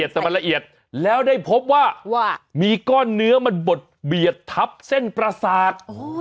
แต่มันละเอียดแล้วได้พบว่ามีก้อนเนื้อมันบดเบียดทับเส้นประสาท